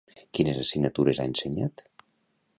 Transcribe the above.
Quines assignatures ha ensenyat?